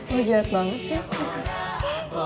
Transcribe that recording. lo jahat banget sih